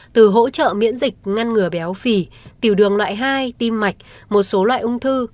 từ hỗ trợ miễn dịch ngăn ngừa béo phì tiểu đường loại hai tim mạch một số loại ung thư